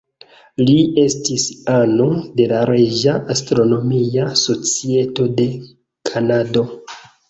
Li estis ano de la Reĝa astronomia societo de Kanado.